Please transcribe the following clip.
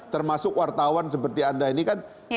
termasuk wartawan seperti anda ini kan